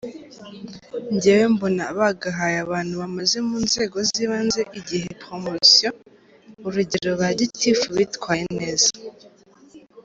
ngewe mbona bagahaye abantu bamaze munzego zibanze kgihe promotion ,urugero ba gitif bitwaye neza.